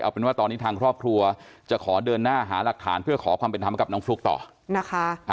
เอาเป็นว่าตอนนี้ทางครอบครัวจะขอเดินหน้าหาหลักฐานเพื่อขอความเป็นธรรมกับน้องฟลุ๊กต่อนะคะ